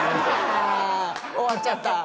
ああ終わっちゃった。